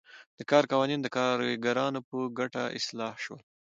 د کار قوانین د کارګرانو په ګټه اصلاح شول.